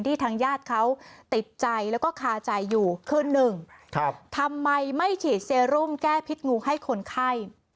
ทางญาติเขาติดใจแล้วก็คาใจอยู่คือหนึ่งทำไมไม่ฉีดเซรุมแก้พิษงูให้คนไข้